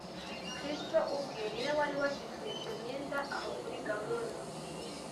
kristo ubwe ni we wari washyize iyo myenda aho kuri gahunda